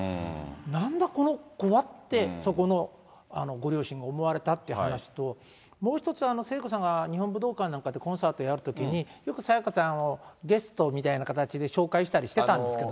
なんだこの子はって、そこのご両親が思われたっていう話と、もう一つ、聖子さんが日本武道館なんかでコンサートやるときに、よく沙也加さんをゲストみたいな形で紹介したりしてたんですけど。